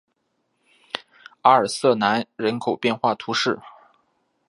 阿尔瑟南人口变化图示